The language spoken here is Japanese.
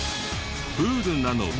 プールなので。